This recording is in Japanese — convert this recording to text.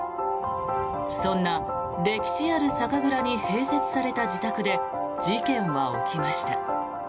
そんな歴史ある酒蔵に併設された自宅で事件は起きました。